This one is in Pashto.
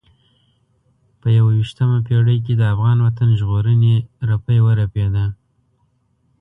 په یوه یشتمه پېړۍ کې د افغان وطن ژغورنې رپی ورپېده.